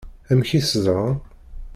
Amek i t-ẓṛan?